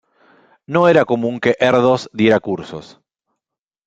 No era común que Erdős diera cursos.